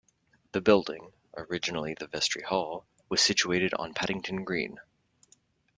The building, originally the Vestry Hall, was situated on Paddington Green.